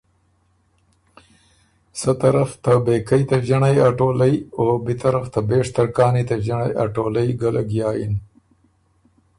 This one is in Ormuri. سۀ طرف ته بېکئ ته ݫِنړئ ا ټولئ او بی طرف ته بېشترکانی ته ݫِنړئ ا ټولئ ګۀ لګیا یِن